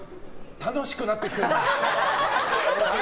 楽しくなってきてるの。